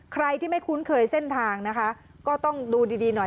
ใครที่ไม่คุ้นเคยเส้นทางนะคะก็ต้องดูดีดีหน่อย